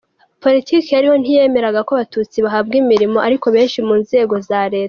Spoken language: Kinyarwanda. Politiki yariho ntiyemeraga ko Abatutsi bahabwa imirimo ari benshi mu nzego za leta.